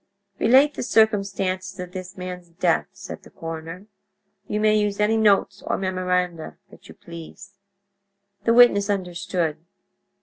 "Relate the circumstances of this man's death," said the coroner. "You may use any notes or memoranda that you please." The witness understood.